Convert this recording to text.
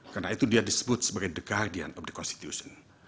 karena itu dia disebut sebagai the guardian of the constitution